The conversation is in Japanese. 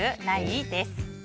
ない？です。